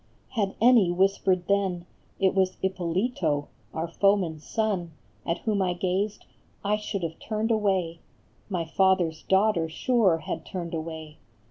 Had any whispered then It was Ippolito, our foeman s son, At whom I gazed, I should have turned away, My father s daughter sure had turned away.